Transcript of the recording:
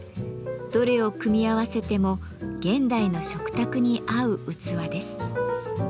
どれを組み合わせても現代の食卓に合う器です。